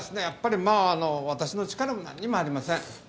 やっぱりまあ私の力も何にもありません